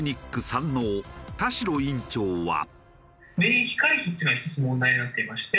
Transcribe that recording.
山王田代院長は。